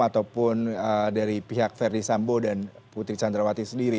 ataupun dari pihak ferdisambo dan putri candrawati sendiri